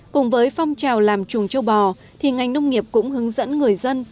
cùng với phong trào làm chuồng châu bò thì ngành nông nghiệp cũng hướng dẫn người dân